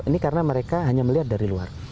ini karena mereka hanya melihat dari luar